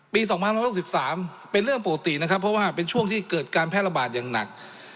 ๒๑๖๓เป็นเรื่องปกตินะครับเพราะว่าเป็นช่วงที่เกิดการแพร่ระบาดอย่างหนัก